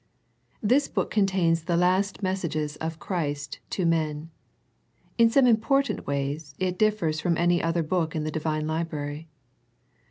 This book contains the last messages of Christ to men. In some important ways it differs from any other in the Divine Library.